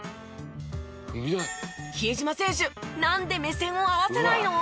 比江島選手なんで目線を合わせないの？